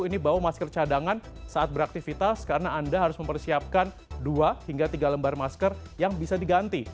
ini bawa masker cadangan saat beraktivitas karena anda harus mempersiapkan dua hingga tiga lembar masker yang bisa diganti